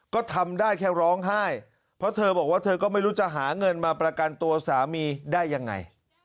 ก็ทำได้แค่ร้องไห้เพราะเธอบอกว่าเธอก็ไม่รู้จะหาเงินมาประกันตัวสามีได้ยังไง